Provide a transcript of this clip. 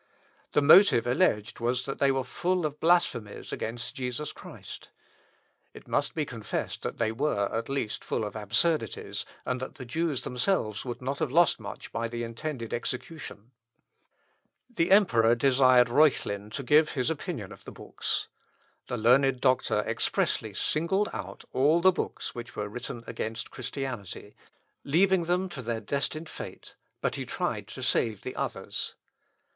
The motive alleged was, that they were full of blasphemies against Jesus Christ. It must be confessed that they were, at least, full of absurdities, and that the Jews themselves would not have lost much by the intended execution. The emperor desired Reuchlin to give his opinion of the books. The learned doctor expressly singled out all the books which were written against Christianity, leaving them to their destined fate, but he tried to save the others.